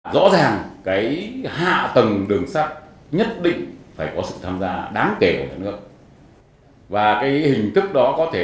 rõ ràng hạ tầng đường sắt nhất định phải có sự tham gia đáng kể của nhà nước